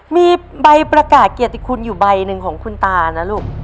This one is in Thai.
มีใบประกาศเกียรติคุณอยู่ใบหนึ่งของคุณตานะลูก